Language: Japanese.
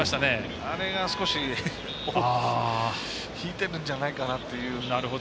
あれが、少し尾を引いてるんじゃないかなと。